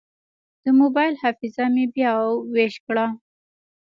د موبایل حافظه مې بیا ویش کړه.